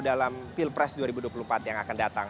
dalam pilpres dua ribu dua puluh empat yang akan datang